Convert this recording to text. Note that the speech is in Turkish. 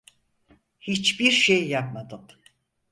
Hiçbir şey yapmadın.